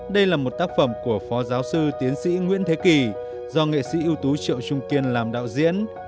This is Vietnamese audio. đây là một tác phẩm của phó giáo sư tiến sĩ nguyễn thế kỳ do nghệ sĩ ưu tú triệu trung kiên làm đạo diễn